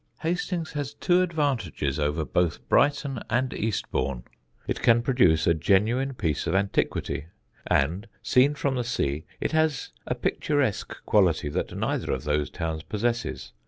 Hastings has two advantages over both Brighton and Eastbourne: it can produce a genuine piece of antiquity, and seen from the sea it has a picturesque quality that neither of those towns possesses.